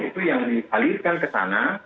itu yang disalirkan ke sana